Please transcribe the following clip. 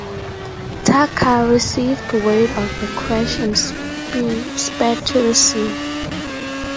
"Tucker" received word of the crash and sped to the scene.